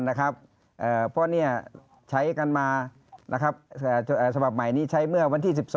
เพราะใช้กันมาฉบับใหม่นี้ใช้เมื่อวันที่๑๒